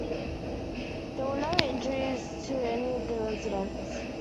There were no injuries to any of the residents.